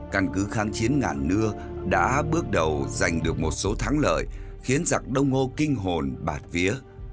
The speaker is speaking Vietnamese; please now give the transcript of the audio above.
căn cứ kháng chiến ngàn nưa đã bước đầu giành được một số thắng lợi khiến giặc đông ngô kinh hồn bạt vía